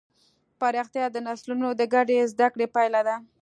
پراختیا د نسلونو د ګډې زدهکړې پایله ده.